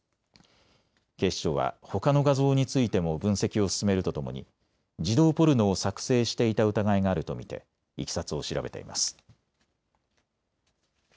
警視庁はほかの画像についても分析を進めるとともに児童ポルノを作成していた疑いがあると見ていきさつを調べています。